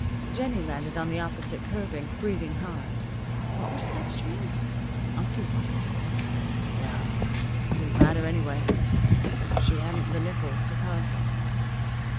Jennie landed on the opposite curbing, breathing hard. What was that street? Umpty what? Well, it didn't matter, anyway. She hadn't the nickel for car fare.